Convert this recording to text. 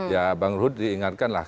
ya bang ruhut diingatkanlah